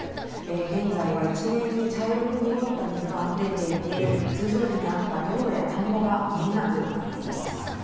現在は一面に茶色く濁った水があふれていて通常時にあった道路や田んぼが見えなくなっています。